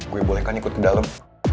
gue boleh kan ikut ke dalam